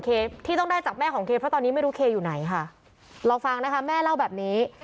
ลองฟังนะคะแม่เล่าแบบนี้